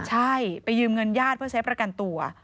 ใช่ไปยืมเงินญาติเพื่อใช้ประกันตัว